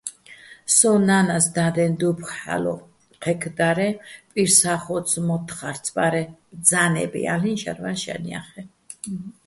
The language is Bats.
სოჼ ნა́ნას დადეჼ დუ́ფხო̆ ჰ̦ალო̆ ჴექდარეჼ, პირსახოც-მოთთხა́რცბარეჼ ბძა́ნებ ჲალ'იჼ, შაჲრვაჼ შარნ ჲახეჼ.